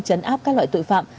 chấn áp các loại tội phạm